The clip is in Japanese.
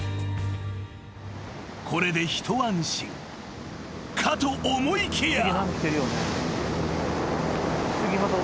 ［これでひと安心かと思いきや］